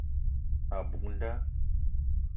A buk nda.